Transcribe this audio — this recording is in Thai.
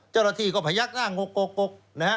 เจ้าหน้าที่ก็พยักหน้างกกนะฮะ